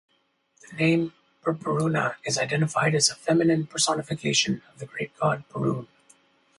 The name "Perperuna" is identified as a feminine personification of the great god Perun.